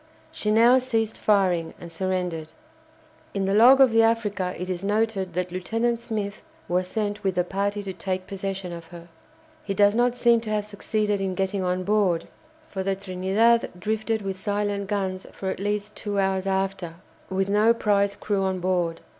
She now ceased firing and surrendered. In the log of the "Africa" it is noted that Lieutenant Smith was sent with a party to take possession of her. He does not seem to have succeeded in getting on board, for the "Trinidad" drifted with silent guns for at least two hours after, with no prize crew on board.